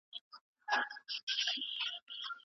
په واټس اپ ګروپ کې زموږ سره یوځای شئ.